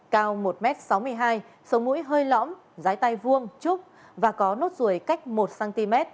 cao một m sáu mươi hai sầu mũi hơi lõm trái tay vuông trúc và có nốt ruồi cách một cm